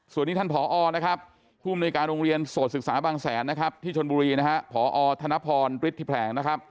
ส่วนนี้ท่านผอผู้บริการโรงเรียนโสดศึกษาบางแสนที่ชนบุรีผธนพรปริธิแผง